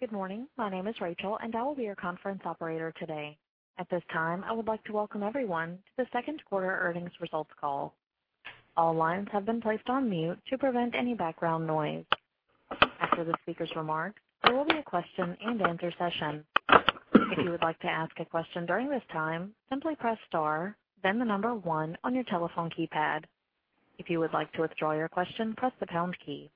Good morning. My name is Rachel, and I will be your conference operator today. At this time, I would like to welcome everyone to the second quarter earnings results call. All lines have been placed on mute to prevent any background noise. After the speaker's remarks, there will be a question and answer session. If you would like to ask a question during this time, simply press star, then 1 on your telephone keypad. If you would like to withdraw your question, press the pound key.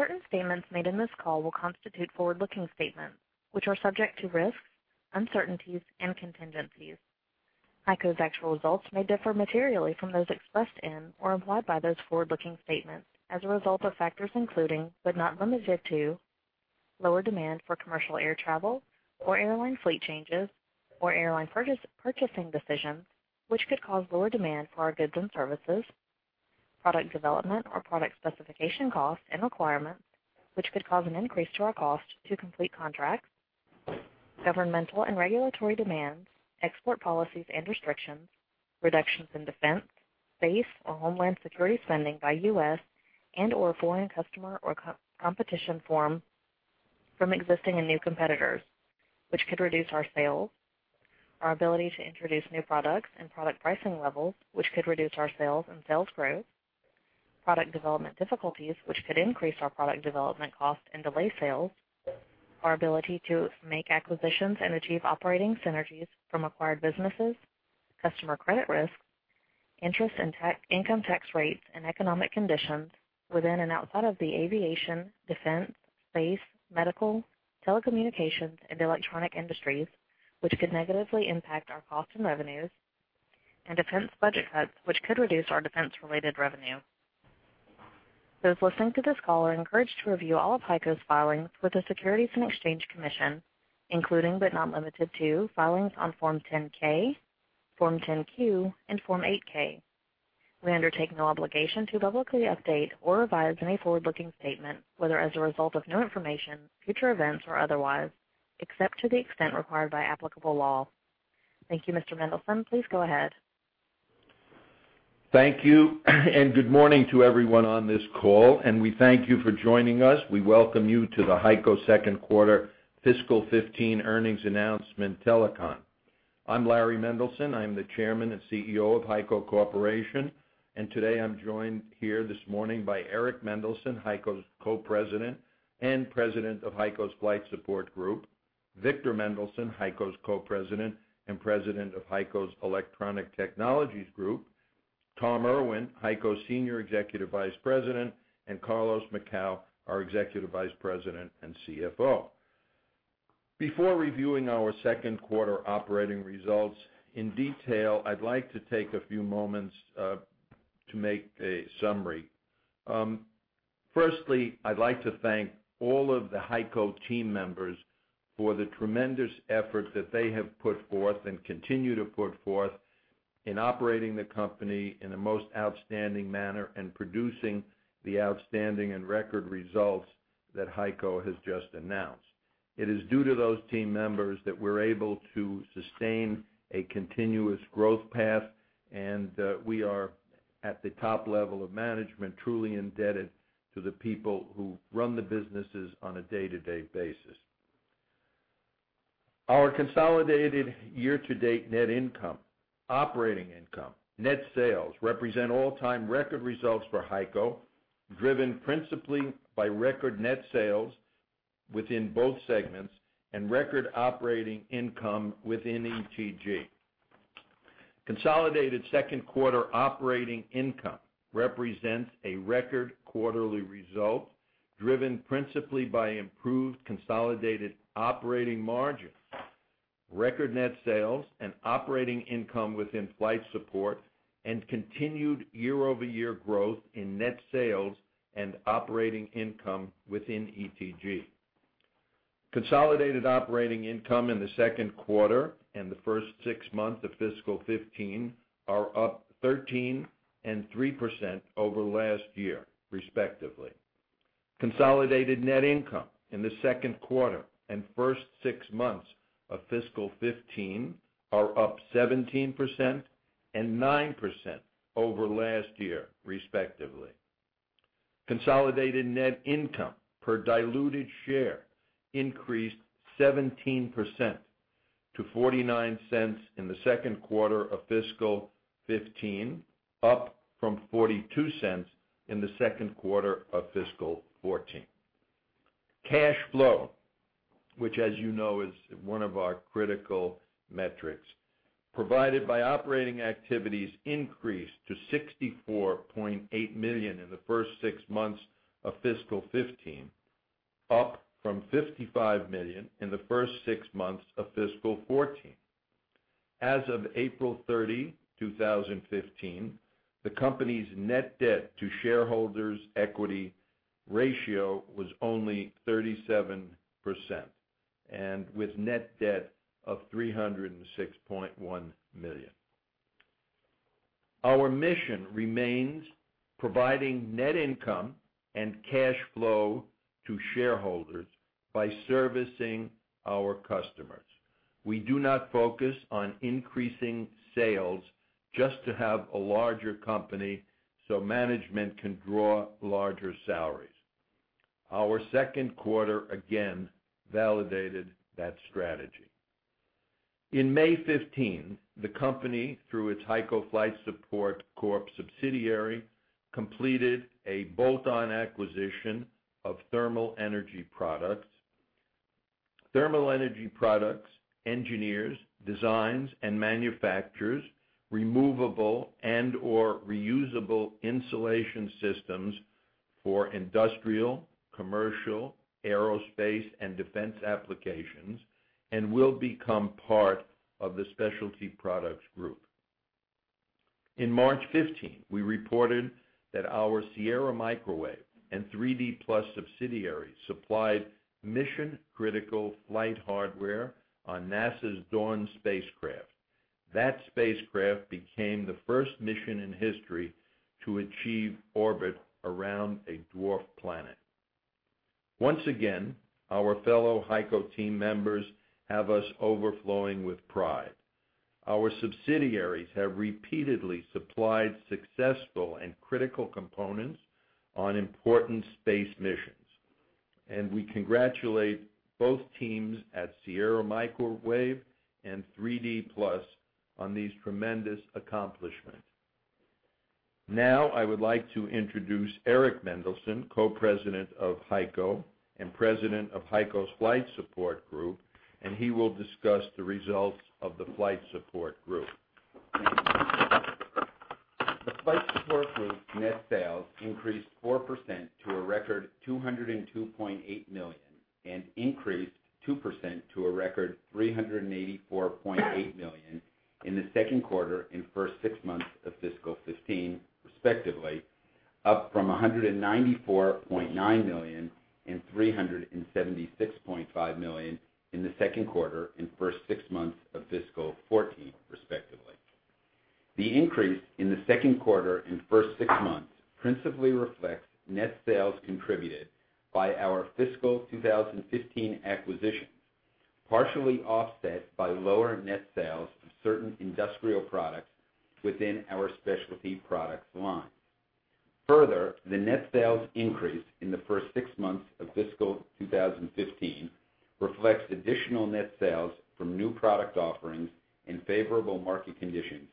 Certain statements made in this call will constitute forward-looking statements, which are subject to risks, uncertainties, and contingencies. HEICO's actual results may differ materially from those expressed in or implied by those forward-looking statements as a result of factors including, but not limited to, lower demand for commercial air travel or airline fleet changes, or airline purchasing decisions, which could cause lower demand for our goods and services. Product development or product specification costs and requirements, which could cause an increase to our cost to complete contracts. Governmental and regulatory demands, export policies and restrictions, reductions in defense, base, or homeland security spending by U.S. and/or foreign customer, or competition from existing and new competitors, which could reduce our sales, our ability to introduce new products and product pricing levels, which could reduce our sales and sales growth. Product development difficulties, which could increase our product development costs and delay sales. Our ability to make acquisitions and achieve operating synergies from acquired businesses, customer credit risk, interest and income tax rates, and economic conditions within and outside of the aviation, defense, base, medical, telecommunications, and electronic industries, which could negatively impact our cost and revenues, and defense budget cuts, which could reduce our defense-related revenue. Those listening to this call are encouraged to review all of HEICO's filings with the Securities and Exchange Commission, including but not limited to, filings on Form 10-K, Form 10-Q, and Form 8-K. We undertake no obligation to publicly update or revise any forward-looking statement, whether as a result of new information, future events, or otherwise, except to the extent required by applicable law. Thank you, Mr. Mendelson. Please go ahead. Thank you, and good morning to everyone on this call, and we thank you for joining us. We welcome you to the HEICO second quarter fiscal 2015 earnings announcement telecon. I'm Larry Mendelsohn. I'm the Chairman and CEO of HEICO Corporation, and today I'm joined here this morning by Eric Mendelsohn, HEICO's Co-President and President of HEICO's Flight Support Group, Victor Mendelsohn, HEICO's Co-President and President of HEICO's Electronic Technologies Group, Tom Irwin, HEICO's Senior Executive Vice President, and Carlos Macau, our Executive Vice President and CFO. Before reviewing our second quarter operating results in detail, I'd like to take a few moments to make a summary. Firstly, I'd like to thank all of the HEICO team members for the tremendous effort that they have put forth and continue to put forth in operating the company in a most outstanding manner and producing the outstanding and record results that HEICO has just announced. It is due to those team members that we're able to sustain a continuous growth path, and we are, at the top level of management, truly indebted to the people who run the businesses on a day-to-day basis. Our consolidated year-to-date net income, operating income, net sales represent all-time record results for HEICO, driven principally by record net sales within both segments and record operating income within ETG. Consolidated second quarter operating income represents a record quarterly result, driven principally by improved consolidated operating margins, record net sales and operating income within Flight Support, and continued year-over-year growth in net sales and operating income within ETG. Consolidated operating income in the second quarter and the first six months of fiscal 2015 are up 13% and 3% over last year, respectively. Consolidated net income in the second quarter and first six months of fiscal 2015 are up 17% and 9% over last year, respectively. Consolidated net income per diluted share increased 17% to $0.49 in the second quarter of fiscal 2015, up from $0.42 in the second quarter of fiscal 2014. Cash flow, which as you know is one of our critical metrics, provided by operating activities increased to $64.8 million in the first six months of fiscal 2015, up from $55 million in the first six months of fiscal 2014. As of April 30, 2015, the company's net debt to shareholders' equity ratio was only 37%, and with net debt of $306.1 million. Our mission remains providing net income and cash flow to shareholders by servicing our customers. We do not focus on increasing sales just to have a larger company so management can draw larger salaries. Our second quarter, again, validated that strategy. In May 2015, the company, through its HEICO Flight Support Corp subsidiary, completed a bolt-on acquisition of Thermal Energy Products. Thermal Energy Products engineers, designs, and manufactures removable and/or reusable insulation systems for industrial, commercial, aerospace, and defense applications and will become part of the Specialty Products Group. In March 2015, we reported that our Sierra Microwave and 3D PLUS subsidiaries supplied mission-critical flight hardware on NASA's Dawn spacecraft. That spacecraft became the first mission in history to achieve orbit around a dwarf planet. Once again, our fellow HEICO team members have us overflowing with pride. Our subsidiaries have repeatedly supplied successful and critical components on important space missions, and we congratulate both teams at Sierra Microwave and 3D PLUS on these tremendous accomplishments. Now I would like to introduce Eric Mendelson, Co-President of HEICO and President of HEICO's Flight Support Group, and he will discuss the results of the Flight Support Group. The Flight Support Group's net sales increased 4% to a record $202.8 million and increased 2% to a record $384.8 million in the second quarter and first six months of fiscal 2015, respectively, up from $194.9 million and $376.5 million in the second quarter and first six months of fiscal 2014, respectively. The increase in the second quarter and first six months principally reflects net sales contributed by our fiscal 2015 acquisition, partially offset by lower net sales of certain industrial products within our Specialty Products line. The net sales increase in the first six months of fiscal 2015 reflects additional net sales from new product offerings and favorable market conditions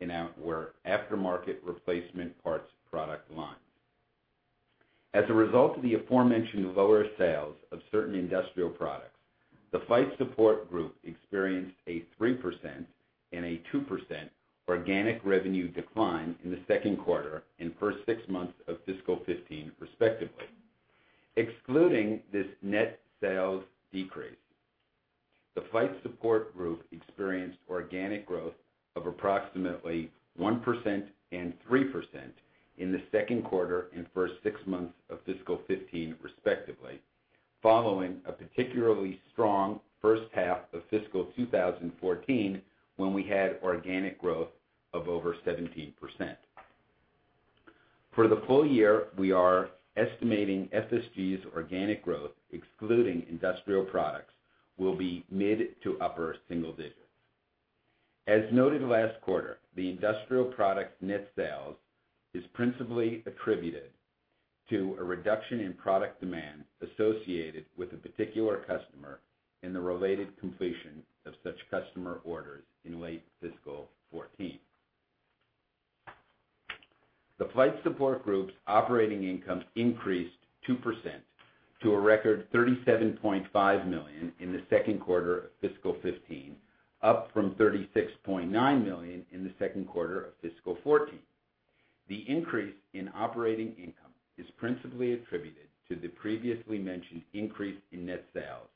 in our aftermarket replacement parts product lines. As a result of the aforementioned lower sales of certain industrial products, the Flight Support Group experienced a 3% and a 2% organic revenue decline in the second quarter and first six months of fiscal 2015, respectively. Excluding this net sales decrease, the Flight Support Group experienced organic growth of approximately 1% and 3% in the second quarter and first six months of fiscal 2015, respectively, following a particularly strong first half of fiscal 2014, when we had organic growth of over 17%. For the full year, we are estimating FSG's organic growth, excluding industrial products, will be mid-to-upper single digits. As noted last quarter, the industrial products net sales is principally attributed to a reduction in product demand associated with a particular customer and the related completion of such customer orders in late fiscal 2014. The Flight Support Group's operating income increased 2% to a record $37.5 million in the second quarter of fiscal 2015, up from $36.9 million in the second quarter of fiscal 2014. The increase in operating income is principally attributed to the previously mentioned increase in net sales,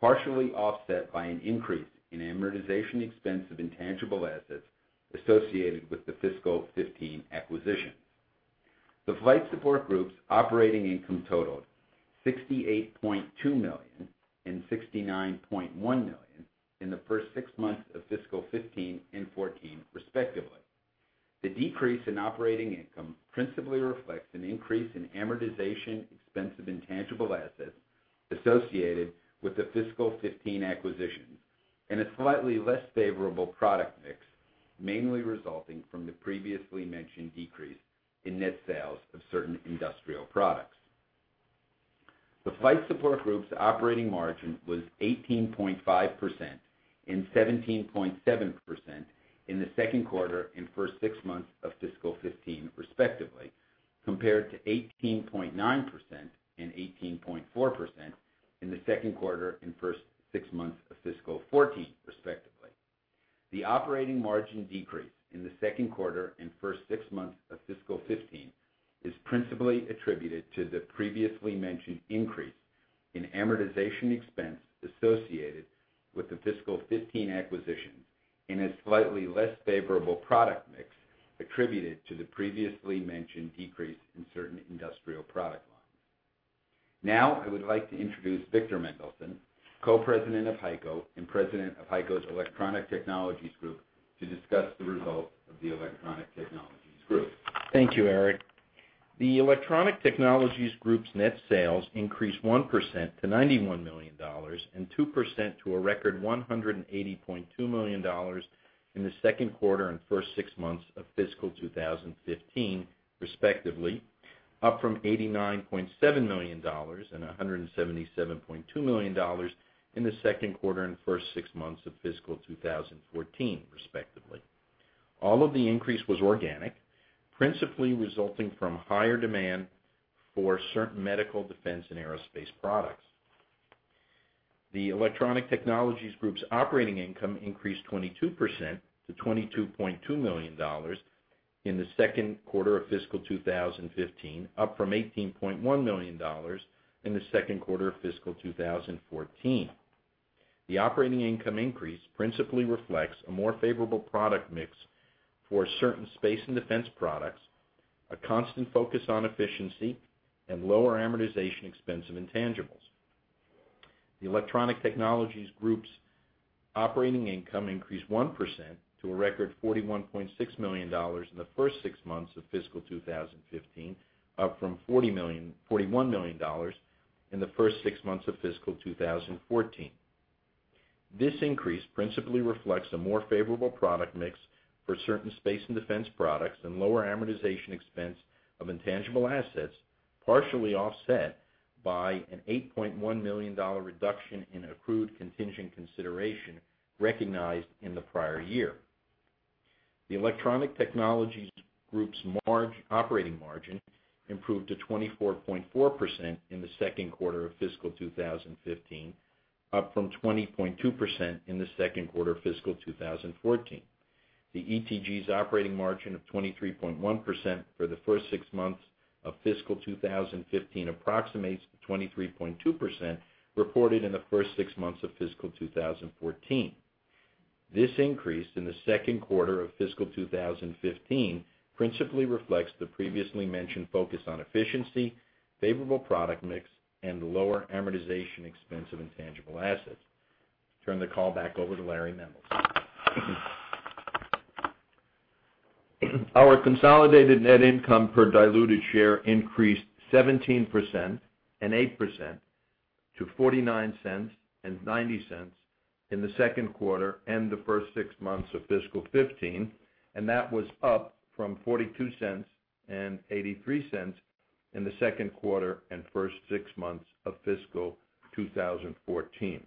partially offset by an increase in amortization expense of intangible assets associated with the fiscal 2015 acquisitions. The Flight Support Group's operating income totaled $68.2 million and $69.1 million in the first six months of fiscal 2015 and 2014, respectively. The decrease in operating income principally reflects an increase in amortization expense of intangible assets associated with the fiscal 2015 acquisitions and a slightly less favorable product mix, mainly resulting from the previously mentioned decrease in net sales of certain industrial products. The Flight Support Group's operating margin was 18.5% and 17.7% in the second quarter and first six months of fiscal 2015, respectively, compared to 18.9% and 18.4% in the second quarter and first six months of fiscal 2014, respectively. The operating margin decrease in the second quarter and first six months of fiscal 2015 is principally attributed to the previously mentioned increase in amortization expense associated with the fiscal 2015 acquisitions and a slightly less favorable product mix attributed to the previously mentioned decrease in certain industrial product lines. I would like to introduce Victor Mendelson, Co-President of HEICO and President of HEICO's Electronic Technologies Group, to discuss the results of the Electronic Technologies Group. Thank you, Eric. The Electronic Technologies Group's net sales increased 1% to $91 million and 2% to a record $180.2 million in the second quarter and first six months of fiscal 2015 respectively, up from $89.7 million and $177.2 million in the second quarter and first six months of fiscal 2014 respectively. All of the increase was organic, principally resulting from higher demand for certain medical defense and aerospace products. The Electronic Technologies Group's operating income increased 22% to $22.2 million in the second quarter of fiscal 2015, up from $18.1 million in the second quarter of fiscal 2014. The operating income increase principally reflects a more favorable product mix for certain space and defense products, a constant focus on efficiency and lower amortization expense of intangibles. The Electronic Technologies Group's operating income increased 1% to a record $41.6 million in the first six months of fiscal 2015, up from $41 million in the first six months of fiscal 2014. This increase principally reflects a more favorable product mix for certain space and defense products and lower amortization expense of intangible assets, partially offset by an $8.1 million reduction in accrued contingent consideration recognized in the prior year. The Electronic Technologies Group's operating margin improved to 24.4% in the second quarter of fiscal 2015, up from 20.2% in the second quarter of fiscal 2014. The ETG's operating margin of 23.1% for the first six months of fiscal 2015 approximates the 23.2% reported in the first six months of fiscal 2014. This increase in the second quarter of fiscal 2015 principally reflects the previously mentioned focus on efficiency, favorable product mix, and lower amortization expense of intangible assets. Turn the call back over to Laurans Mendelson. Our consolidated net income per diluted share increased 17% and 8% to $0.49 and $0.90 in the second quarter and the first six months of fiscal 2015. That was up from $0.42 and $0.83 in the second quarter and first six months of fiscal 2014.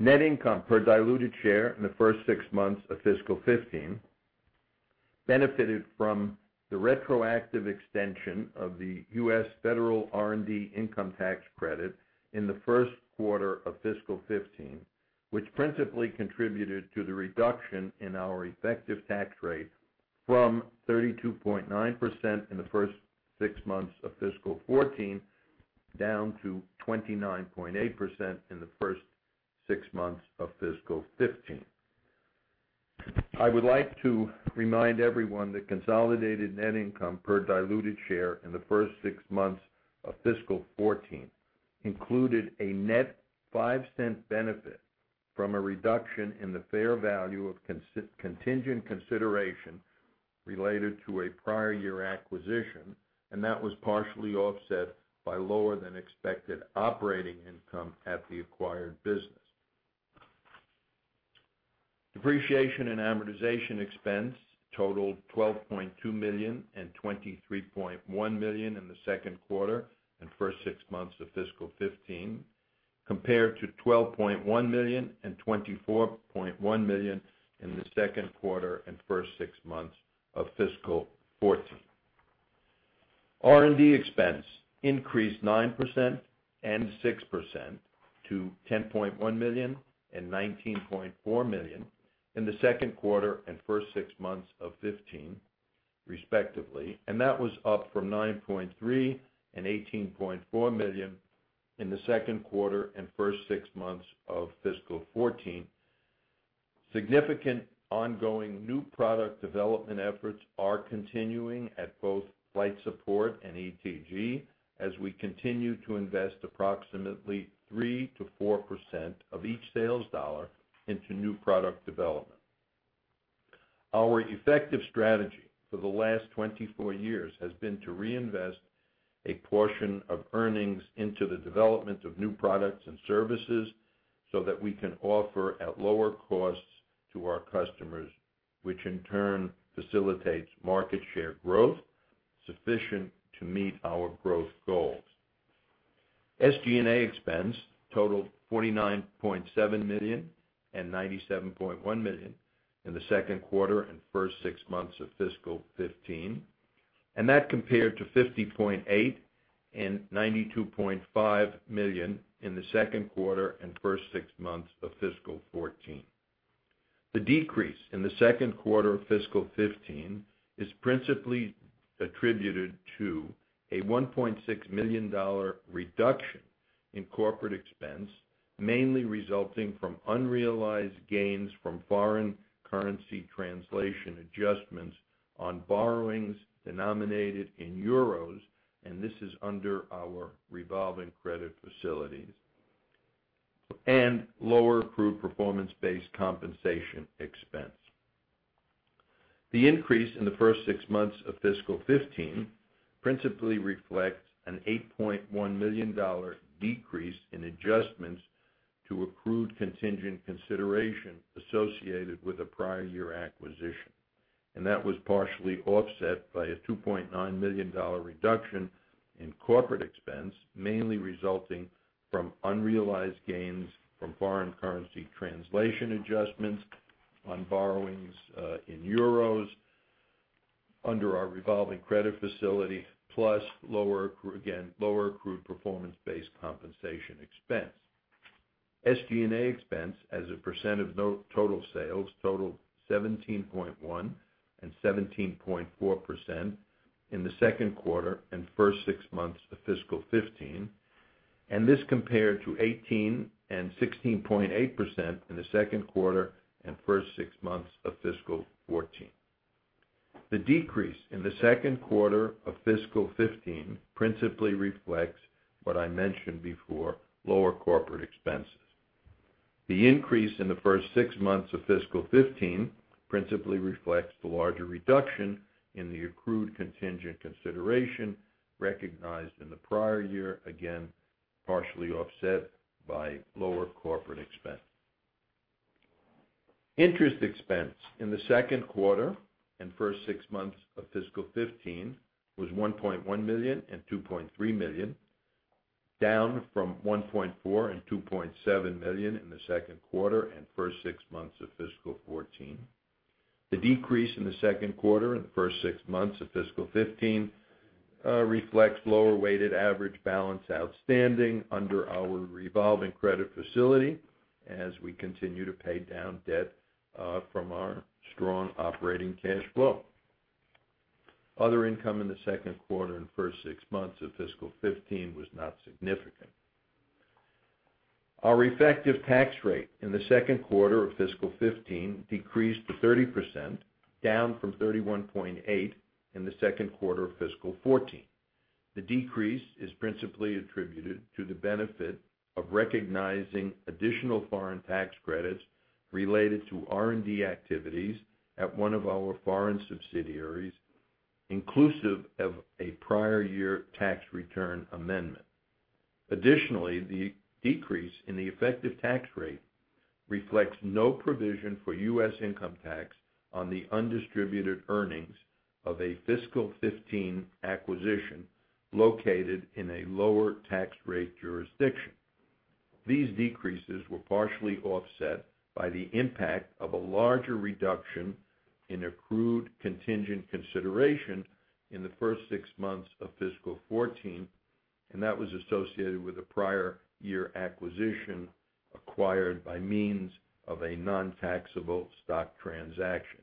Net income per diluted share in the first six months of fiscal 2015 benefited from the retroactive extension of the U.S. federal R&D income tax credit in the first quarter of fiscal 2015, which principally contributed to the reduction in our effective tax rate from 32.9% in the first six months of fiscal 2014, down to 29.8% in the first six months of fiscal 2015. I would like to remind everyone that consolidated net income per diluted share in the first six months of fiscal 2014 included a net $0.05 benefit from a reduction in the fair value of contingent consideration related to a prior year acquisition. That was partially offset by lower than expected operating income at the acquired business. Depreciation and amortization expense totaled $12.2 million and $23.1 million in the second quarter and first six months of fiscal 2015, compared to $12.1 million and $24.1 million in the second quarter and first six months of fiscal 2014. R&D expense increased 9% and 6% to $10.1 million and $19.4 million in the second quarter and first six months of 2015, respectively. That was up from $9.3 million and $18.4 million in the second quarter and first six months of fiscal 2014. Significant ongoing new product development efforts are continuing at both Flight Support and ETG as we continue to invest approximately 3%-4% of each sales dollar into new product development. Our effective strategy for the last 24 years has been to reinvest a portion of earnings into the development of new products and services so that we can offer at lower costs to our customers, which in turn facilitates market share growth sufficient to meet our growth goals. SG&A expense totaled $49.7 million and $97.1 million in the second quarter and first six months of fiscal 2015. That compared to $50.8 million and $92.5 million in the second quarter and first six months of fiscal 2014. The decrease in the second quarter of fiscal 2015 is principally attributed to a $1.6 million reduction in corporate expense, mainly resulting from unrealized gains from foreign currency translation adjustments on borrowings denominated in EUR. This is under our revolving credit facilities. Lower accrued performance-based compensation expense. The increase in the first six months of fiscal 2015 principally reflects an $8.1 million decrease in adjustments to accrued contingent consideration associated with a prior year acquisition. That was partially offset by a $2.9 million reduction in corporate expense, mainly resulting from unrealized gains from foreign currency translation adjustments on borrowings in EUR under our revolving credit facility, plus, again, lower accrued performance-based compensation expense. SG&A expense as a percent of total sales totaled 17.1% and 17.4% in the second quarter and first six months of fiscal 2015. This compared to 18% and 16.8% in the second quarter and first six months of fiscal 2014. The decrease in the second quarter of fiscal 2015 principally reflects what I mentioned before, lower corporate expenses. The increase in the first six months of fiscal 2015 principally reflects the larger reduction in the accrued contingent consideration recognized in the prior year, again, partially offset by lower corporate expense. Interest expense in the second quarter and first six months of fiscal 2015 was $1.1 million and $2.3 million, down from $1.4 and $2.7 million in the second quarter and first six months of fiscal 2014. The decrease in the second quarter and the first six months of fiscal 2015 reflects lower weighted average balance outstanding under our revolving credit facility, as we continue to pay down debt from our strong operating cash flow. Other income in the second quarter and first six months of fiscal 2015 was not significant. Our effective tax rate in the second quarter of fiscal 2015 decreased to 30%, down from 31.8% in the second quarter of fiscal 2014. The decrease is principally attributed to the benefit of recognizing additional foreign tax credits related to R&D activities at one of our foreign subsidiaries, inclusive of a prior year tax return amendment. Additionally, the decrease in the effective tax rate reflects no provision for U.S. income tax on the undistributed earnings of a fiscal 2015 acquisition located in a lower tax rate jurisdiction. These decreases were partially offset by the impact of a larger reduction in accrued contingent consideration in the first six months of fiscal 2014. That was associated with a prior year acquisition acquired by means of a non-taxable stock transaction.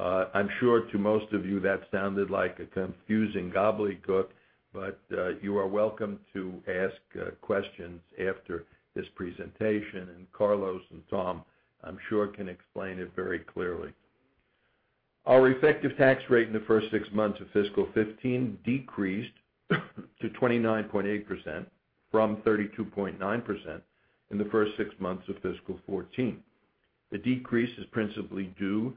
I'm sure to most of you that sounded like a confusing gobbledygook, you are welcome to ask questions after this presentation, and Carlos and Tom, I'm sure, can explain it very clearly. Our effective tax rate in the first six months of fiscal 2015 decreased to 29.8%, from 32.9% in the first six months of fiscal 2014. The decrease is principally due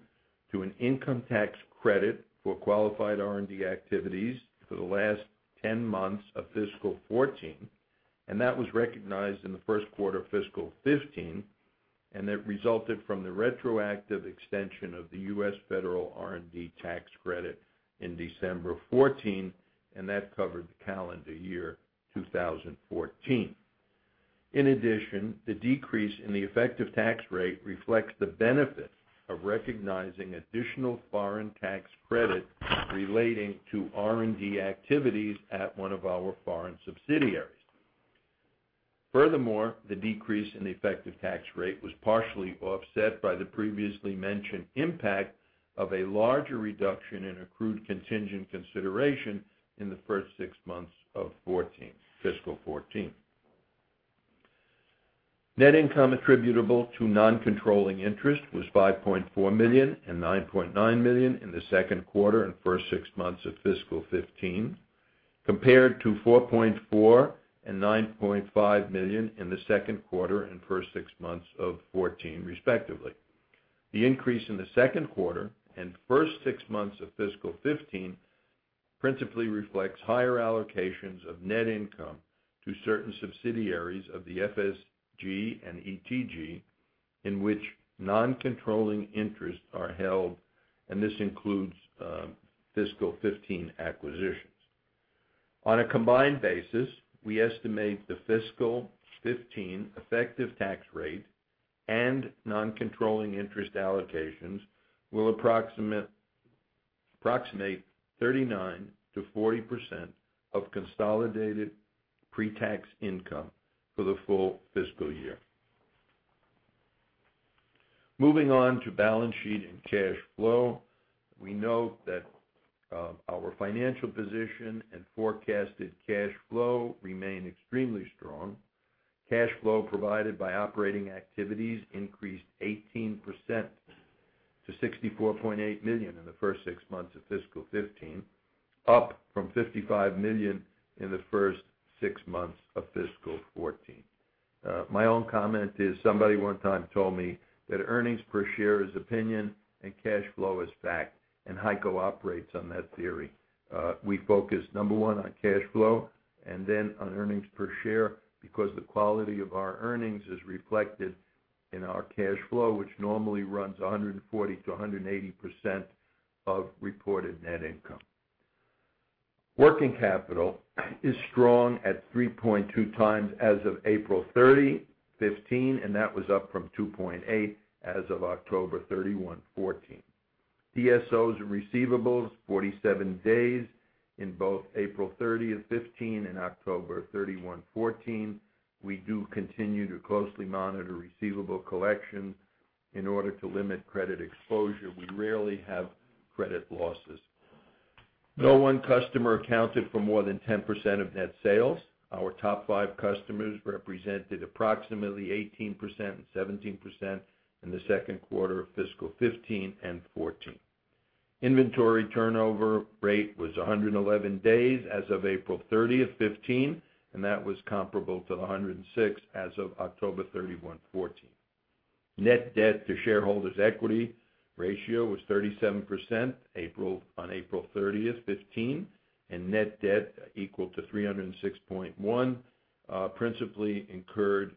to an income tax credit for qualified R&D activities for the last 10 months of fiscal 2014. That was recognized in the first quarter of fiscal 2015. It resulted from the retroactive extension of the U.S. Federal R&D tax credit in December 2014. That covered the calendar year 2014. In addition, the decrease in the effective tax rate reflects the benefit of recognizing additional foreign tax credit relating to R&D activities at one of our foreign subsidiaries. Furthermore, the decrease in the effective tax rate was partially offset by the previously mentioned impact of a larger reduction in accrued contingent consideration in the first six months of fiscal 2014. Net income attributable to non-controlling interest was $5.4 million and $9.9 million in the second quarter and first six months of fiscal 2015, compared to $4.4 and $9.5 million in the second quarter and first six months of 2014, respectively. The increase in the second quarter and first six months of fiscal 2015 principally reflects higher allocations of net income to certain subsidiaries of the FSG and ETG, in which non-controlling interests are held, and this includes fiscal 2015 acquisitions. On a combined basis, we estimate the fiscal 2015 effective tax rate and non-controlling interest allocations will approximate 39%-40% of consolidated pre-tax income for the full fiscal year. Moving on to balance sheet and cash flow. We note that our financial position and forecasted cash flow remain extremely strong. Cash flow provided by operating activities increased 18% to $64.8 million in the first six months of fiscal 2015, up from $55 million in the first six months of fiscal 2014. My own comment is somebody one time told me that earnings per share is opinion and cash flow is fact. HEICO operates on that theory. We focus, number 1, on cash flow, and then on earnings per share because the quality of our earnings is reflected in our cash flow, which normally runs 140%-180% of reported net income. Working capital is strong at 3.2 times as of April 30, 2015, and that was up from 2.8 as of October 31, 2014. DSO and receivables 47 days in both April 30 of 2015 and October 31 2014. We do continue to closely monitor receivable collection in order to limit credit exposure. We rarely have credit losses. No one customer accounted for more than 10% of net sales. Our top five customers represented approximately 18% and 17% in the second quarter of fiscal 2015 and 2014. Inventory turnover rate was 111 days as of April 30 of 2015, and that was comparable to the 106 as of October 31 2014. Net debt to shareholders' equity ratio was 37% on April 30 2015, and net debt equal to $306.1 million principally incurred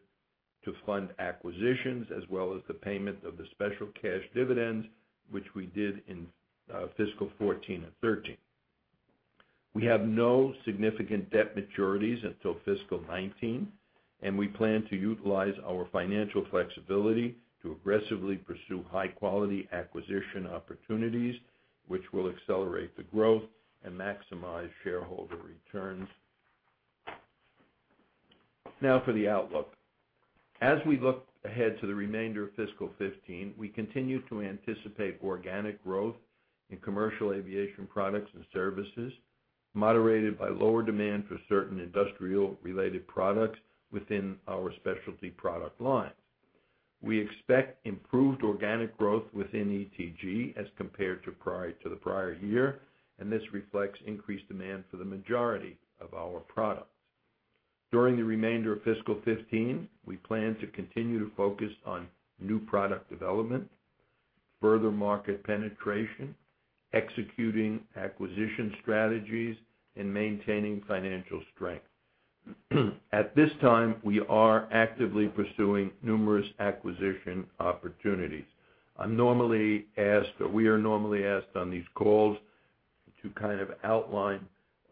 to fund acquisitions as well as the payment of the special cash dividends, which we did in fiscal 2014 and 2013. We have no significant debt maturities until fiscal 2019. We plan to utilize our financial flexibility to aggressively pursue high-quality acquisition opportunities, which will accelerate the growth and maximize shareholder returns. Now for the outlook. As we look ahead to the remainder of fiscal 2015, we continue to anticipate organic growth in commercial aviation products and services, moderated by lower demand for certain industrial-related products within our Specialty Products lines. We expect improved organic growth within ETG as compared to the prior year. This reflects increased demand for the majority of our products. During the remainder of fiscal 2015, we plan to continue to focus on new product development, further market penetration, executing acquisition strategies, and maintaining financial strength. At this time, we are actively pursuing numerous acquisition opportunities. We are normally asked on these calls to kind of outline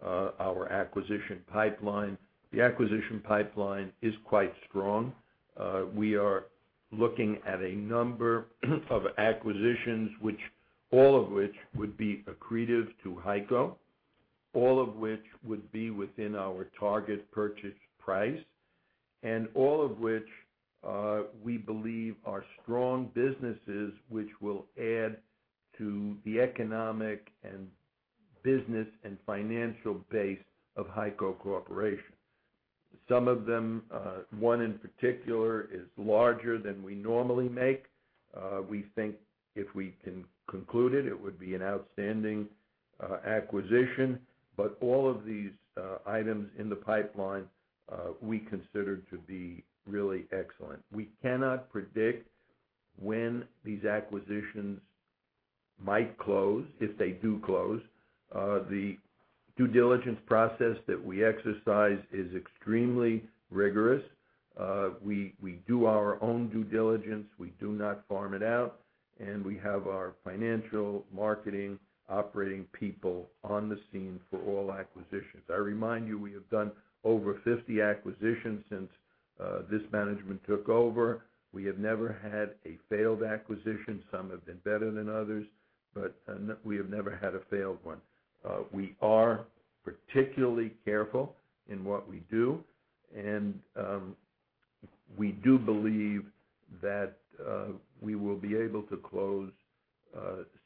our acquisition pipeline. The acquisition pipeline is quite strong. We are looking at a number of acquisitions, all of which would be accretive to HEICO, all of which would be within our target purchase price, and all of which we believe are strong businesses, which will add to the economic and business and financial base of HEICO Corporation. Some of them, one in particular, is larger than we normally make. We think if we can conclude it would be an outstanding acquisition. All of these items in the pipeline we consider to be really excellent. We cannot predict when these acquisitions might close, if they do close. The due diligence process that we exercise is extremely rigorous. We do our own due diligence. We do not farm it out, and we have our financial marketing operating people on the scene for all acquisitions. I remind you, we have done over 50 acquisitions since this management took over. We have never had a failed acquisition. Some have been better than others, but we have never had a failed one. We are particularly careful in what we do, and we do believe that we will be able to close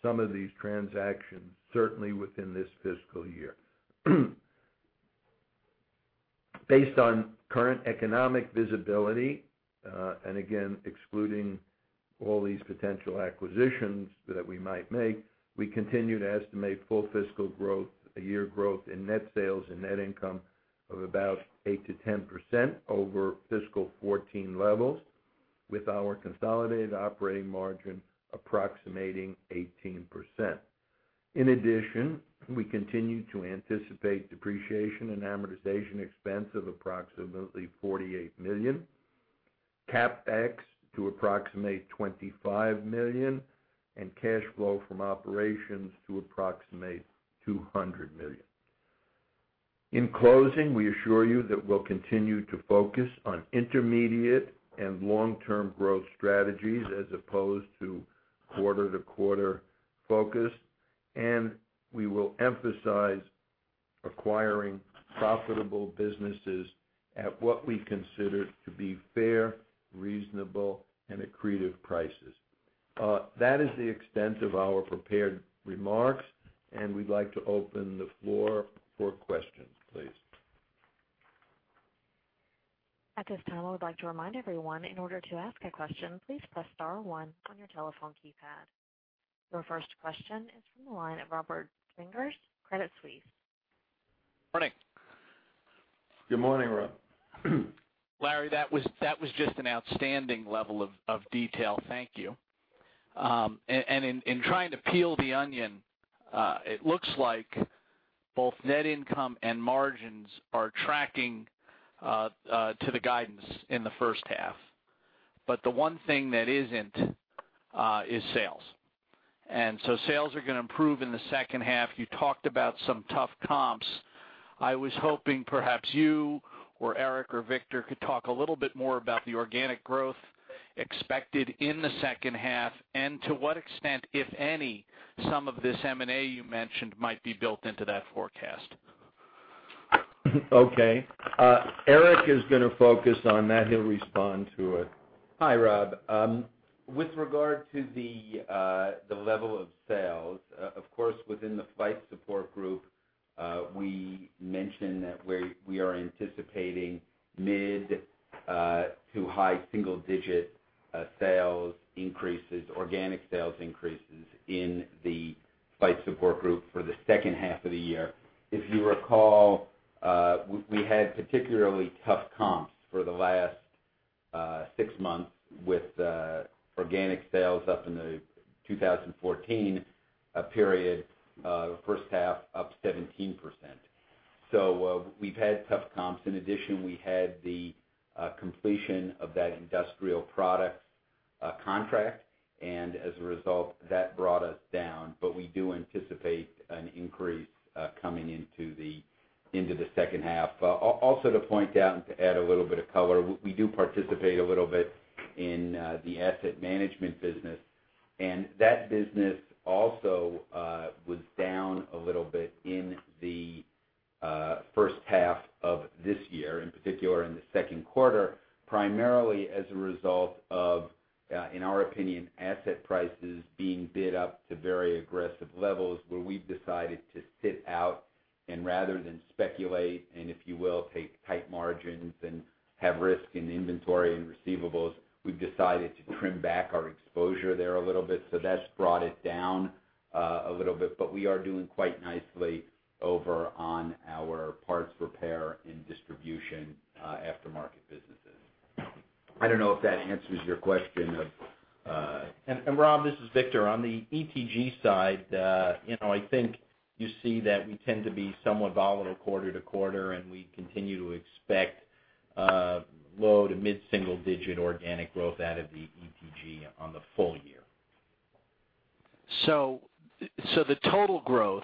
some of these transactions, certainly within this fiscal year. Based on current economic visibility, and again, excluding all these potential acquisitions that we might make, we continue to estimate full fiscal growth, a year growth in net sales and net income of about 8% to 10% over fiscal 2014 levels, with our consolidated operating margin approximating 18%. In addition, we continue to anticipate depreciation and amortization expense of approximately $48 million, CapEx to approximate $25 million, and cash flow from operations to approximate $200 million. In closing, we assure you that we'll continue to focus on intermediate and long-term growth strategies as opposed to quarter-to-quarter focus, and we will emphasize acquiring profitable businesses at what we consider to be fair, reasonable, and accretive prices. That is the extent of our prepared remarks, and we'd like to open the floor for questions, please. At this time, I would like to remind everyone, in order to ask a question, please press star one on your telephone keypad. Your first question is from the line of Robert Finger, Credit Suisse. Morning. Good morning, Rob. Larry, that was just an outstanding level of detail. Thank you. In trying to peel the onion, it looks like both net income and margins are tracking to the guidance in the first half. The one thing that isn't is sales. Sales are going to improve in the second half. You talked about some tough comps. I was hoping perhaps you or Eric or Victor could talk a little bit more about the organic growth expected in the second half and to what extent, if any, some of this M&A you mentioned might be built into that forecast. Okay. Eric is going to focus on that. He'll respond to it. Hi, Rob. With regard to the level of sales, of course, within the Flight Support Group, we mentioned that we are anticipating mid- to high single-digit sales increases, organic sales increases, in the Flight Support Group for the second half of the year. If you recall, we had particularly tough comps for the last six months with organic sales up in the 2014 period, first half, up 17%. We've had tough comps. In addition, we had the completion of that industrial products contract, and as a result, that brought us down, we do anticipate an increase coming into the second half. Also to point out and to add a little bit of color, we do participate a little bit in the asset management business, and that business also was down a little bit in the first half of this year, in particular in the second quarter, primarily as a result of, in our opinion, asset prices being bid up to very aggressive levels where we've decided to sit out and rather than speculate and, if you will, take tight margins and have risk in inventory and receivables, we've decided to trim back our exposure there a little bit. That's brought it down a little bit, but we are doing quite nicely over on our parts repair and distribution aftermarket businesses. I don't know if that answers your question. Rob, this is Victor. On the ETG side, I think you see that we tend to be somewhat volatile quarter-to-quarter, and we continue to expect low- to mid-single digit organic growth out of the ETG on the full year. The total growth,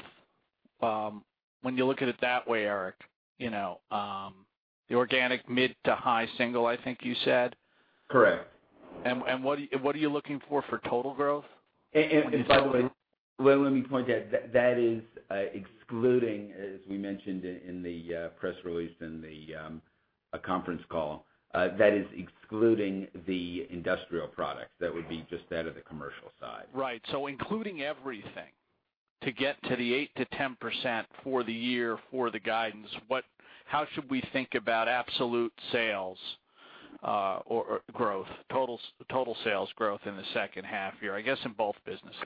when you look at it that way, Eric, the organic mid to high single, I think you said? Correct. What are you looking for for total growth? By the way, let me point out, that is excluding, as we mentioned in the press release and the conference call, that is excluding the industrial products. That would be just that of the commercial side. Right. Including everything, to get to the 8% to 10% for the year for the guidance, how should we think about absolute sales growth, total sales growth in the second half year, I guess in both businesses?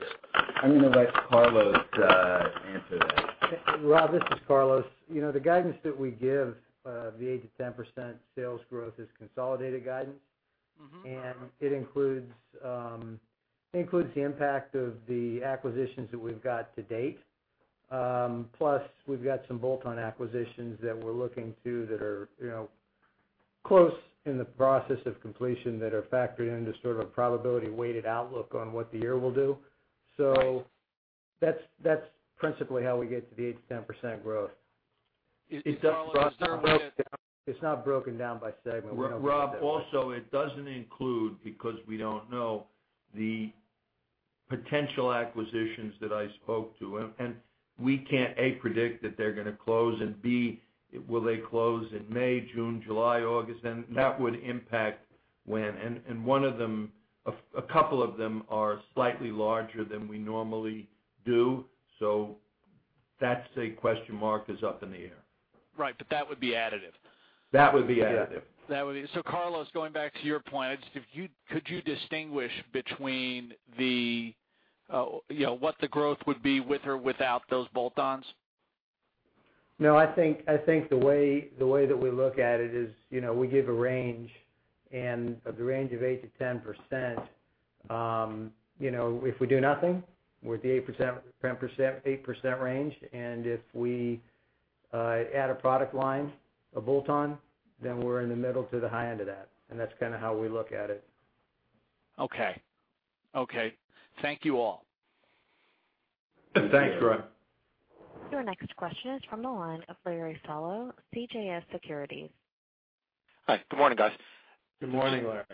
I'm going to let Carlos answer that. Rob, this is Carlos. The guidance that we give, the 8% to 10% sales growth is consolidated guidance. It includes the impact of the acquisitions that we've got to date. Plus, we've got some bolt-on acquisitions that we're looking to that are close in the process of completion that are factored into sort of a probability weighted outlook on what the year will do. That's principally how we get to the 8%-10% growth. Carlos- It's not broken down by segment. We don't break that way. Rob, also, it doesn't include, because we don't know, the potential acquisitions that I spoke to, and we can't, A, predict that they're going to close, and B, will they close in May, June, July, August, then that would impact when. A couple of them are slightly larger than we normally do. That's a question mark is up in the air. Right, that would be additive. That would be additive. That would be. Carlos, going back to your point, could you distinguish between what the growth would be with or without those bolt-ons? No, I think the way that we look at it is we give a range, of the range of 8% to 10%, if we do nothing, we're at the 8% range. If we add a product line, a bolt-on, then we're in the middle to the high end of that, and that's kind of how we look at it. Okay. Thank you all. Thanks, Rob. Your next question is from the line of Larry Solow, CJS Securities. Hi, good morning, guys. Good morning, Larry.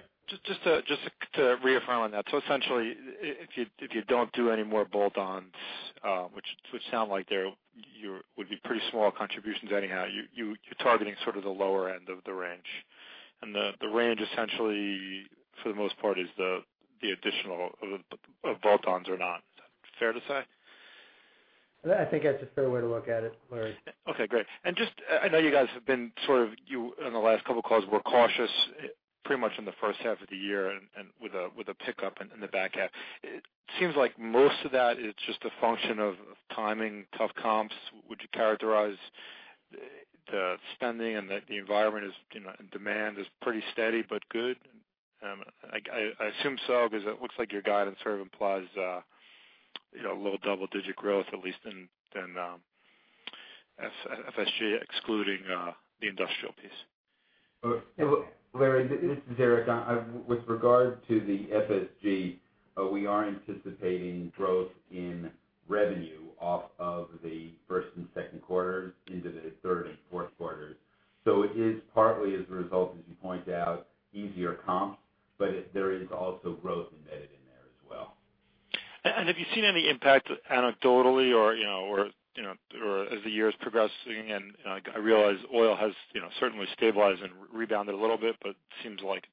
Just to reaffirm on that, essentially if you don't do any more bolt-ons, which sound like they would be pretty small contributions anyhow, you're targeting sort of the lower end of the range. The range essentially, for the most part, is the addition of bolt-ons or not. Is that fair to say? I think that's a fair way to look at it, Larry. Okay, great. I know you guys have been sort of, you in the last couple of calls, were cautious pretty much in the first half of the year and with a pickup in the back half. It seems like most of that is just a function of timing, tough comps. Would you characterize the spending and the environment as demand is pretty steady but good? I assume so, because it looks like your guidance sort of implies a little double-digit growth, at least in FSG, excluding the industrial piece. Larry, this is Eric. With regard to the FSG, we are anticipating growth in revenue off of the first and second quarters into the third and fourth quarters. It is partly as a result, as you point out, easier comps, but there is also growth embedded in there as well. Have you seen any impact anecdotally or as the year is progressing? I realize oil has certainly stabilized and rebounded a little bit, but it seems like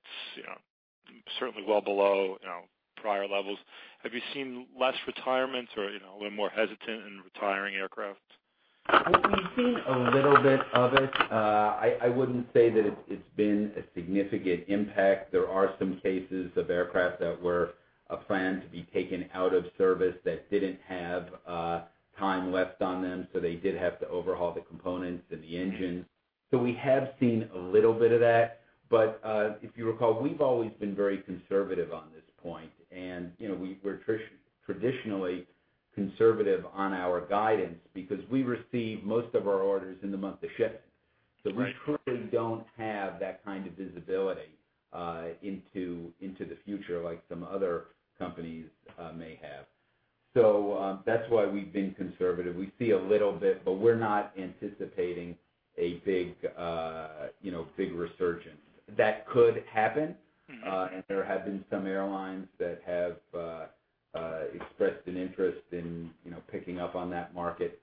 it's certainly well below prior levels. Have you seen less retirement or a little more hesitant in retiring aircraft? What we've seen a little bit of it, I wouldn't say that it's been a significant impact. There are some cases of aircraft that were planned to be taken out of service that didn't have time left on them, so they did have to overhaul the components and the engine. We have seen a little bit of that. If you recall, we've always been very conservative on this point. We're traditionally conservative on our guidance because we receive most of our orders in the month of shipping. Right. We currently don't have that kind of visibility into the future like some other companies may have. That's why we've been conservative. We see a little bit, we're not anticipating a big resurgence. That could happen. There have been some airlines that have expressed an interest in picking up on that market.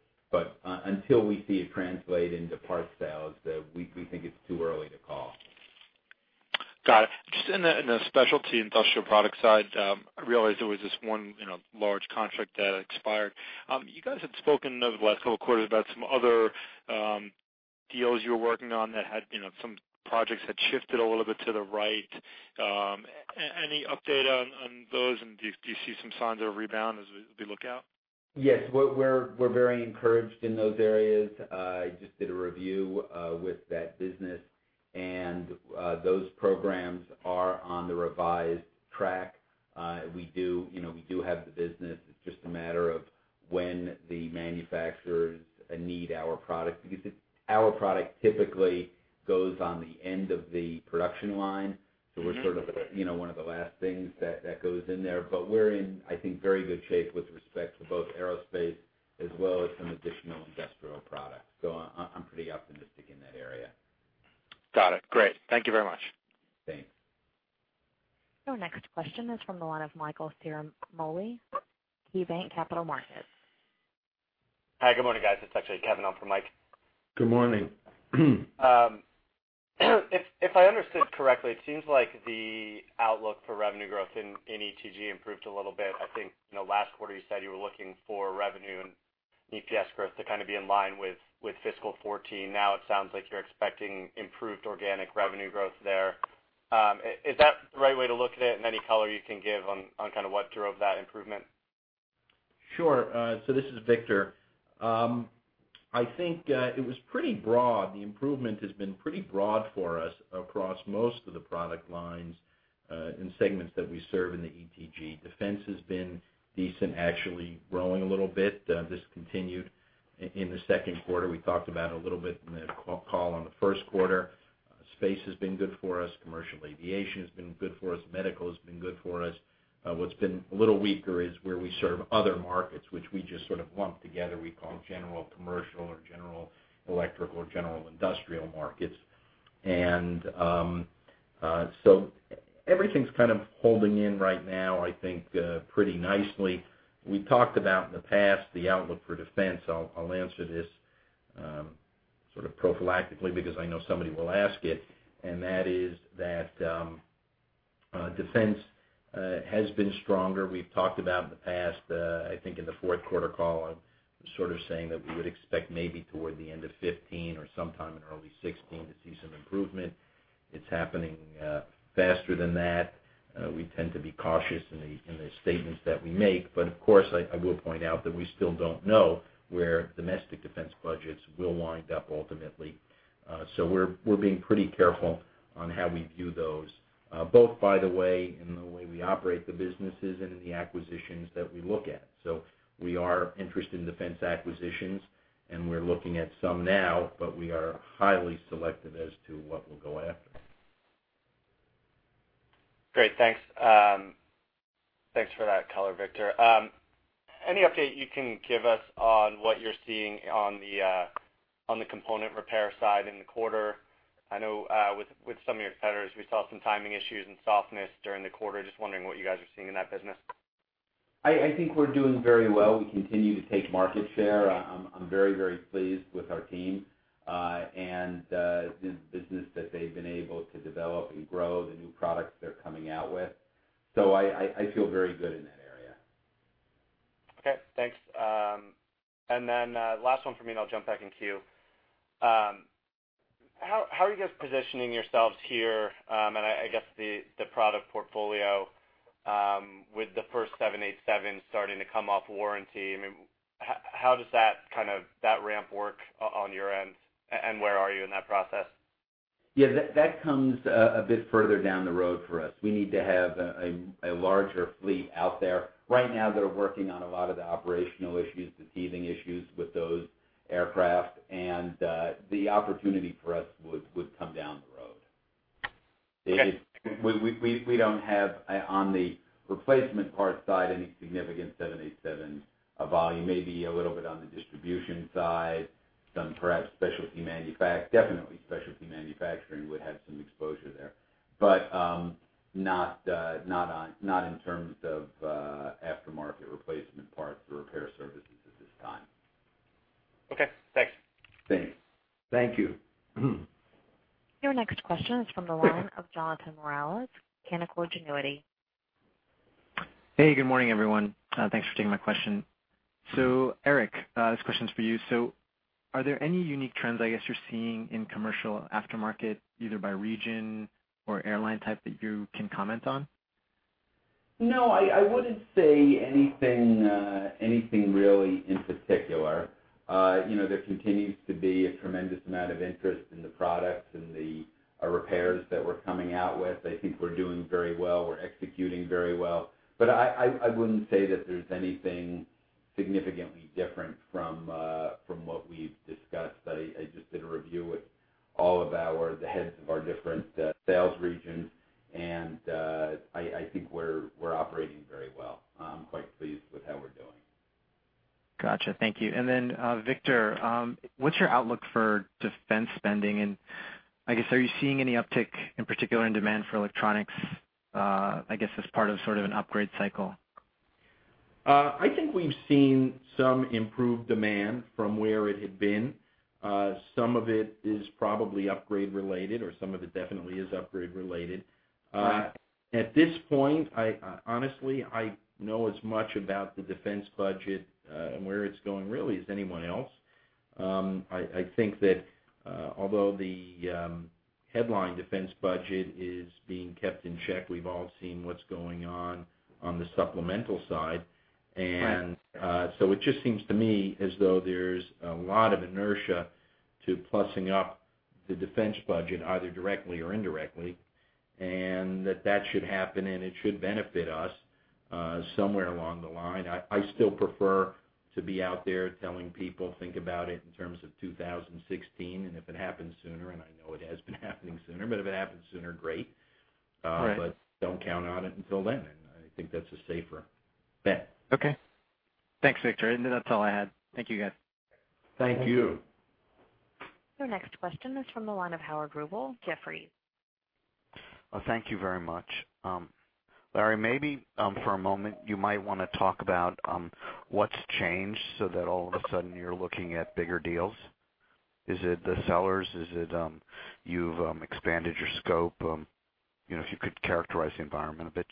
Until we see it translate into parts sales, we think it's too early to call. Got it. Just in the specialty industrial product side, I realize there was this one large contract that expired. You guys had spoken over the last couple of quarters about some other deals you were working on that had some projects that shifted a little bit to the right. Any update on those, and do you see some signs of a rebound as we look out? Yes. We're very encouraged in those areas. I just did a review with that business. Those programs are on the revised track. We do have the business. It's just a matter of when the manufacturers need our product, because our product typically goes on the end of the production line. We're sort of one of the last things that goes in there. We're in, I think, very good shape with respect to both aerospace as well as some additional industrial products. I'm pretty optimistic in that area. Got it. Great. Thank you very much. Thanks. Our next question is from the line of Michael Ciarmoli, KeyBanc Capital Markets. Hi, good morning, guys. It's actually Kevin on for Mike. Good morning. If I understood correctly, it seems like the outlook for revenue growth in ETG improved a little bit. I think in the last quarter you said you were looking for revenue and EPS growth to kind of be in line with fiscal 2014. Now it sounds like you're expecting improved organic revenue growth there. Is that the right way to look at it? Any color you can give on what drove that improvement? Sure. This is Victor. I think it was pretty broad. The improvement has been pretty broad for us across most of the product lines, in segments that we serve in the ETG. Defense has been decent, actually growing a little bit. This continued in the second quarter. We talked about a little bit in the call on the first quarter. Space has been good for us. Commercial aviation has been good for us. Medical has been good for us. What's been a little weaker is where we serve other markets, which we just sort of lump together. We call general commercial or general electric or general industrial markets. Everything's kind of holding in right now, I think, pretty nicely. We talked about in the past the outlook for defense. I'll answer this sort of prophylactically because I know somebody will ask it, and that is that defense has been stronger. We've talked about in the past, I think in the fourth quarter call, sort of saying that we would expect maybe toward the end of 2015 or sometime in early 2016 to see some improvement. It's happening faster than that. We tend to be cautious in the statements that we make, but of course, I will point out that we still don't know where domestic defense budgets will wind up ultimately. We're being pretty careful on how we view those, both by the way, in the way we operate the businesses and in the acquisitions that we look at. We are interested in defense acquisitions, and we're looking at some now, but we are highly selective as to what we'll go after. Great, thanks. Thanks for that color, Victor. Any update you can give us on what you're seeing on the component repair side in the quarter? I know with some of your competitors, we saw some timing issues and softness during the quarter. Just wondering what you guys are seeing in that business. I think we're doing very well. We continue to take market share. I'm very pleased with our team, and the business that they've been able to develop and grow, the new products they're coming out with. I feel very good in that area. Okay, thanks. Last one from me, and I'll jump back in queue. How are you guys positioning yourselves here, and I guess the product portfolio, with the first 787s starting to come off warranty? I mean, how does that ramp work on your end, and where are you in that process? Yeah, that comes a bit further down the road for us. We need to have a larger fleet out there. Right now, they're working on a lot of the operational issues, the teething issues with those aircraft, the opportunity for us would come down the road. Okay. We don't have, on the replacement parts side, any significant 787 volume. Maybe a little bit on the distribution side, some perhaps specialty manufacture. Definitely specialty manufacturing would have some exposure there. Not in terms of aftermarket replacement parts or repair services at this time. Okay, thanks. Thanks. Thank you. Your next question is from the line of Jonathan Morales, Canaccord Genuity. Hey, good morning, everyone. Thanks for taking my question. Eric, this question's for you. Are there any unique trends, I guess, you're seeing in commercial aftermarket, either by region or airline type, that you can comment on? No, I wouldn't say anything really in particular. There continues to be a tremendous amount of interest in the products and the repairs that we're coming out with. I think we're doing very well. We're executing very well. I wouldn't say that there's anything significantly different from what we've discussed. I just did a review with all of the heads of our different sales regions. I think we're operating very well. I'm quite pleased with how we're doing. Got you. Thank you. Victor, what's your outlook for defense spending? I guess are you seeing any uptick in particular in demand for electronics, I guess, as part of sort of an upgrade cycle? I think we've seen some improved demand from where it had been. Some of it is probably upgrade related, or some of it definitely is upgrade related. Right. At this point, honestly, I know as much about the defense budget, and where it's going, really as anyone else. I think that although the headline defense budget is being kept in check, we've all seen what's going on the supplemental side. Right. It just seems to me as though there's a lot of inertia to plussing up the defense budget, either directly or indirectly, and that that should happen and it should benefit us, somewhere along the line. I still prefer to be out there telling people, think about it in terms of 2016, and if it happens sooner, and I know it has been happening sooner, but if it happens sooner, great. Right. Don't count on it until then. I think that's a safer bet. Okay. Thanks, Victor, and that's all I had. Thank you guys. Thank you. Thank you. Your next question is from the line of Howard Rubel, Jefferies. Thank you very much. Larry, maybe for a moment, you might want to talk about what's changed so that all of a sudden you're looking at bigger deals. Is it the sellers? Is it you've expanded your scope? If you could characterize the environment a bit.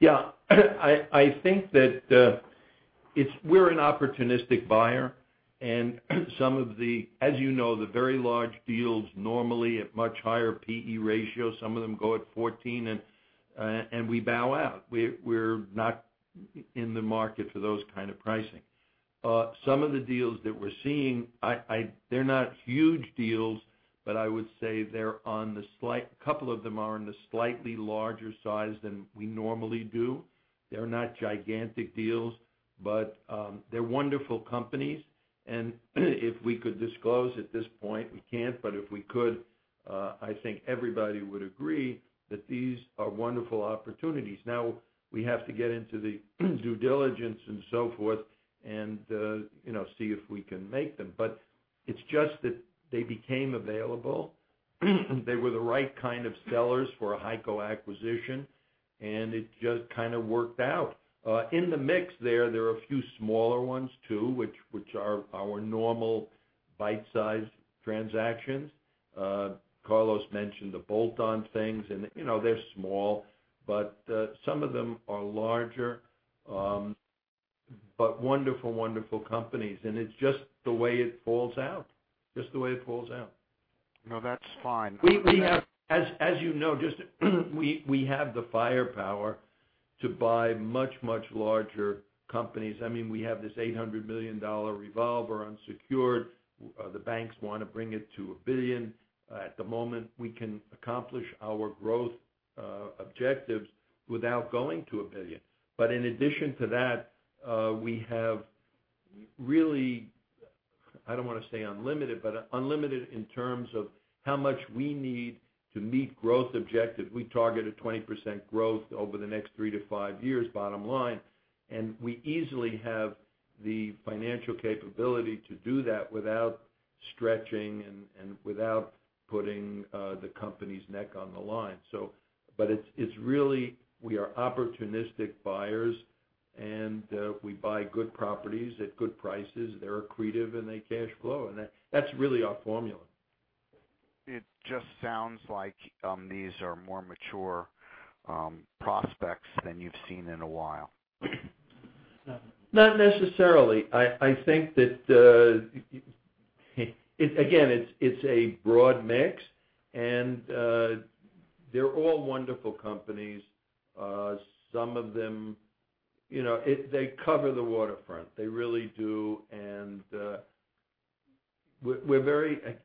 Yeah. I think that we're an opportunistic buyer and some of the, as you know, the very large deals normally at much higher PE ratios, some of them go at 14, we bow out. We're not in the market for those kind of pricing. Some of the deals that we're seeing, they're not huge deals, but I would say a couple of them are in the slightly larger size than we normally do. They're not gigantic deals, but they're wonderful companies. If we could disclose, at this point we can't, but if we could, I think everybody would agree that these are wonderful opportunities. Now, we have to get into the due diligence and so forth and see if we can make them. It's just that they became available, they were the right kind of sellers for a HEICO acquisition, it just kind of worked out. In the mix there are a few smaller ones too, which are our normal bite-size transactions. Carlos mentioned the bolt-on things. They're small, some of them are larger, wonderful companies, it's just the way it falls out. No, that's fine. As you know, we have the firepower to buy much, much larger companies. We have this $800 million revolver unsecured. The banks want to bring it to a billion. At the moment, we can accomplish our growth objectives without going to a billion. In addition to that, we have really, I don't want to say unlimited, but unlimited in terms of how much we need to meet growth objectives. We target a 20% growth over the next three to five years, bottom line, and we easily have the financial capability to do that without stretching and without putting the company's neck on the line. It's really, we are opportunistic buyers, and we buy good properties at good prices. They're accretive, and they cash flow, and that's really our formula. It just sounds like these are more mature prospects than you've seen in a while. Not necessarily. I think that, again, it's a broad mix and they're all wonderful companies. Some of them, they cover the waterfront. They really do, and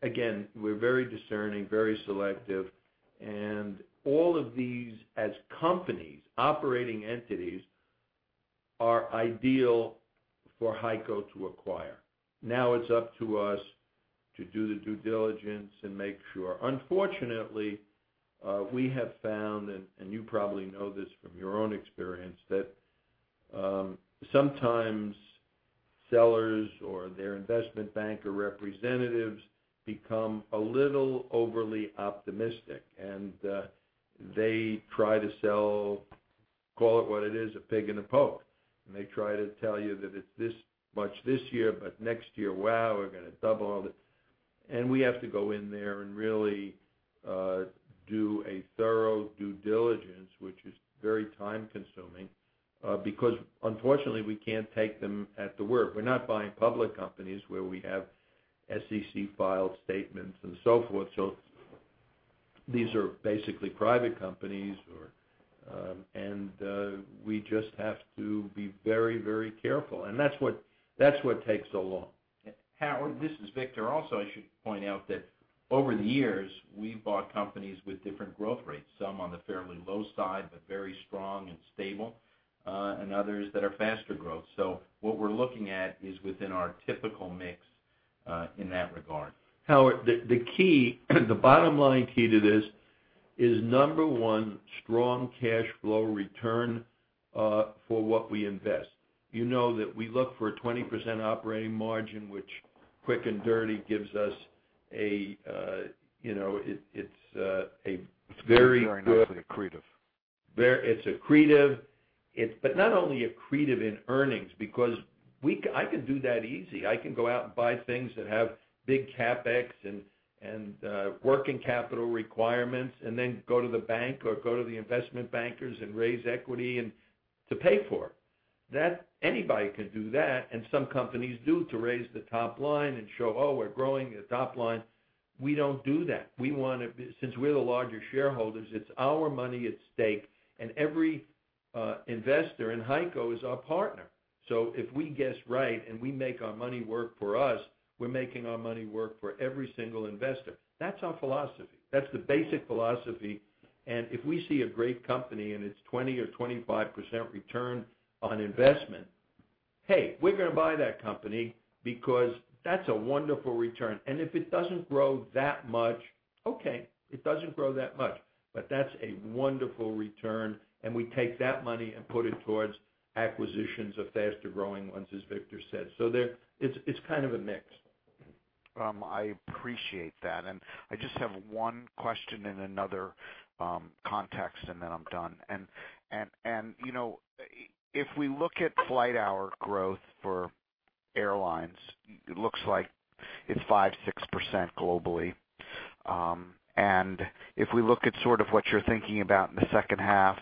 again, we're very discerning, very selective, and all of these as companies, operating entities, are ideal for HEICO to acquire. Now it's up to us to do the due diligence and make sure. Unfortunately, we have found, and you probably know this from your own experience, that sometimes sellers or their investment banker representatives become a little overly optimistic and they try to sell, call it what it is, a pig in a poke. They try to tell you that it's this much this year, but next year, wow, we're going to double it. We have to go in there and really do a thorough due diligence, which is very time-consuming, because unfortunately, we can't take them at their word. We're not buying public companies where we have SEC filed statements and so forth. These are basically private companies and we just have to be very careful, and that's what takes so long. Howard, this is Victor. I should point out that over the years, we've bought companies with different growth rates, some on the fairly low side, but very strong and stable, and others that are faster growth. What we're looking at is within our typical mix, in that regard. Howard, the bottom line key to this is number one, strong cash flow return for what we invest. You know that we look for a 20% operating margin, which quick and dirty gives us a very good- Very nicely accretive. It's accretive. Not only accretive in earnings, because I can do that easy. I can go out and buy things that have big CapEx and working capital requirements and then go to the bank or go to the investment bankers and raise equity and to pay for. Anybody could do that, and some companies do to raise the top line and show, oh, we're growing the top line. We don't do that. Since we're the larger shareholders, it's our money at stake and every investor in HEICO is our partner. If we guess right and we make our money work for us, we're making our money work for every single investor. That's our philosophy. That's the basic philosophy, and if we see a great company and it's 20% or 25% return on investment, hey, we're going to buy that company because that's a wonderful return. If it doesn't grow that much, okay, it doesn't grow that much. That's a wonderful return, and we take that money and put it towards acquisitions of faster-growing ones, as Victor said. It's kind of a mix. I appreciate that. I just have one question in another context, and then I'm done. If we look at flight hour growth for airlines, it looks like it's 5%, 6% globally. If we look at sort of what you're thinking about in the second half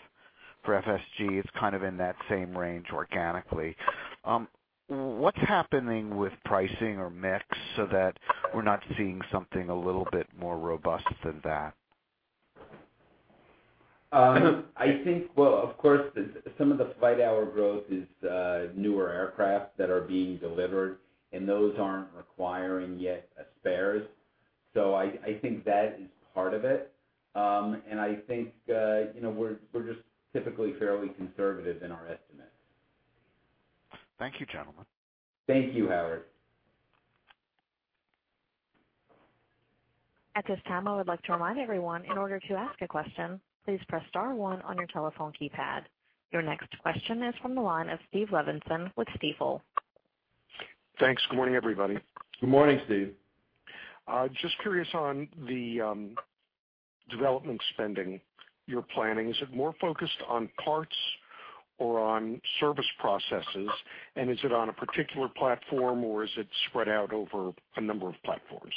for FSG, it's kind of in that same range organically. What's happening with pricing or mix so that we're not seeing something a little bit more robust than that? I think, well, of course, some of the flight hour growth is newer aircraft that are being delivered, and those aren't requiring yet a spares. I think that is part of it. I think we're just typically fairly conservative in our estimates. Thank you, gentlemen. Thank you, Howard. At this time, I would like to remind everyone, in order to ask a question, please press *1 on your telephone keypad. Your next question is from the line of Stephen Levinson with Stifel. Thanks. Good morning, everybody. Good morning, Steve. Just curious on the development spending you're planning. Is it more focused on parts or on service processes? Is it on a particular platform or is it spread out over a number of platforms?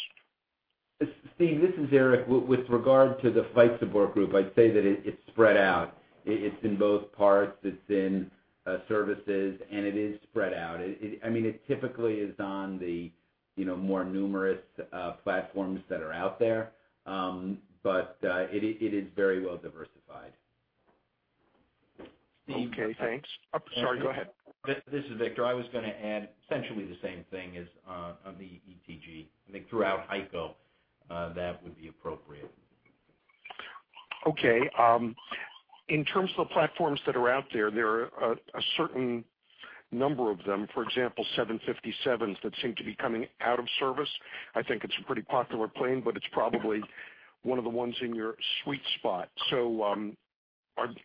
Steve, this is Eric. With regard to the Flight Support Group, I'd say that it's spread out. It's in both parts, it's in services, and it is spread out. It typically is on the more numerous platforms that are out there, but it is very well diversified. Okay, thanks. Sorry, go ahead. This is Victor. I was going to add essentially the same thing as on the ETG. I think throughout HEICO, that would be appropriate. Okay. In terms of the platforms that are out there are a certain number of them, for example, 757s that seem to be coming out of service. I think it's a pretty popular plane, but it's probably one of the ones in your sweet spot.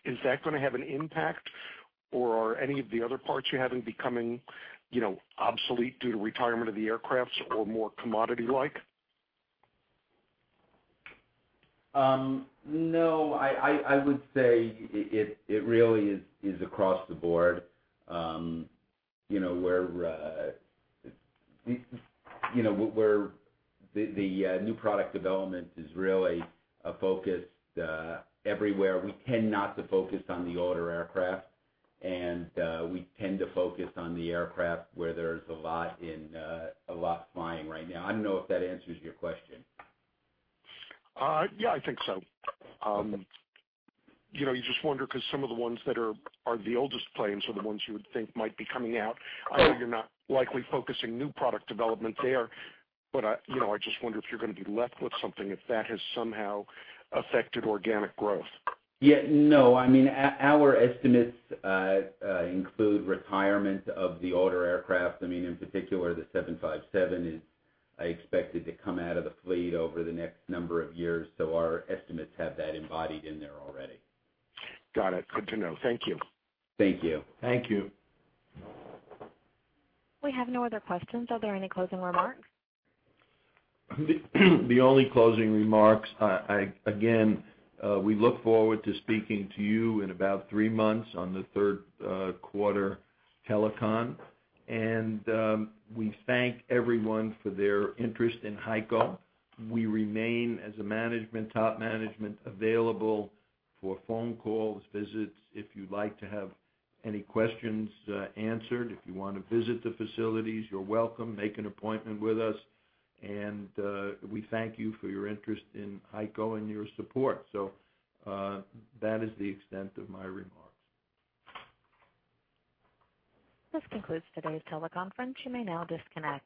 Is that going to have an impact, or are any of the other parts you have becoming obsolete due to retirement of the aircraft or more commodity-like? No, I would say it really is across the board. The new product development is really focused everywhere. We tend not to focus on the older aircraft, and we tend to focus on the aircraft where there's a lot flying right now. I don't know if that answers your question. Yeah, I think so. You just wonder because some of the ones that are the oldest planes are the ones you would think might be coming out. I know you're not likely focusing new product development there, but I just wonder if you're going to be left with something if that has somehow affected organic growth. Yeah, no. Our estimates include retirement of the older aircraft. In particular, the 757 is expected to come out of the fleet over the next number of years, so our estimates have that embodied in there already. Got it. Good to know. Thank you. Thank you. Thank you. We have no other questions. Are there any closing remarks? The only closing remarks, again, we look forward to speaking to you in about three months on the third quarter telecon, and we thank everyone for their interest in HEICO. We remain as a top management available for phone calls, visits, if you'd like to have any questions answered. If you want to visit the facilities, you're welcome. Make an appointment with us, and we thank you for your interest in HEICO and your support. That is the extent of my remarks. This concludes today's teleconference. You may now disconnect.